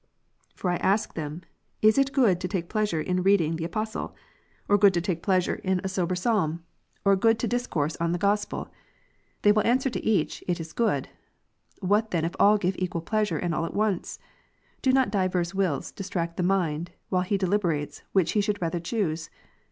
For I ask them, is it good to take pleasure in reading the Apostle" ? or good to take pleasure in • St. Paul. struggle with the flesh and gradual victory. 151 a sober Psalm ? or good to discourse on the Gospel ? They will answer to each," It is good." What then if all give equal pleasure, and all at once ? Do not divers wills distract the mind, while he deliberates, which he should rather choose